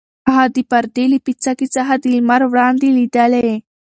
هغې د پردې له پیڅکې څخه د لمر وړانګې لیدلې.